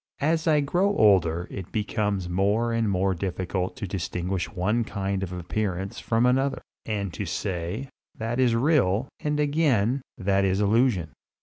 As I grow older it becomes more and more difficult to distinguish one kind of appearance from another, and to say, that is real, and again, that is illusion.